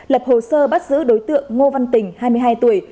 lập hồ sơ bắt giữ đối tượng ngô văn tình hai mươi hai tuổi